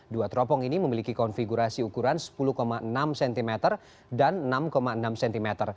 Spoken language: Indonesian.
dua teropong ini memiliki konfigurasi ukuran sepuluh enam cm dan enam enam cm